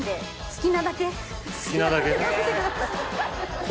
好きなだけ。